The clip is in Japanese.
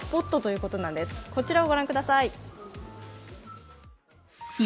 こちらをご覧ください。